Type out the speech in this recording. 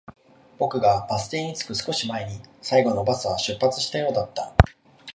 僕がバス停に着く少し前に、最後のバスは出発したようだった